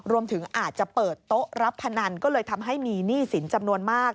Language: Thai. รวมถึงอาจจะเปิดโต๊ะรับพนันก็เลยทำให้มีหนี้สินจำนวนมาก